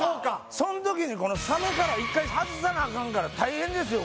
そん時にサメから１回外さなあかんから大変ですよ